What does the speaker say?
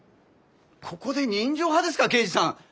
ここで人情派ですか刑事さん。